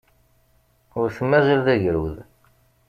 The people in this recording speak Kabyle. Ur t-mazal d agrud.